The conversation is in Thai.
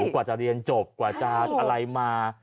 กว่าจะเรียนจบกว่าจะอะไรมา